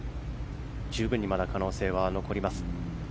十分にまだ可能性は残ります。